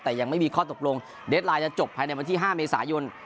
แต่ยังไม่มีข้อตกลงเดสไลน์จะจบภายในวันที่๕เมษายน